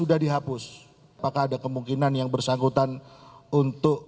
dirt seribu tujuh ratus lima belas berangkat